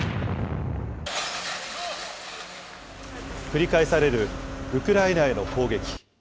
繰り返されるウクライナへの攻撃。